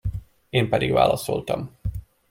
Én pedig válaszoltam.